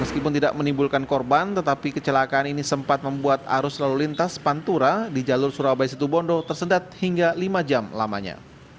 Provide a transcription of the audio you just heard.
meskipun tidak menimbulkan korban tetapi kecelakaan ini sempat membuat arus lalu lintas pantura di jalur surabaya situ bondo tersedat hingga lima jam lamanya